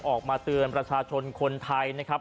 ออกมาเตือนประชาชนคนไทยนะครับ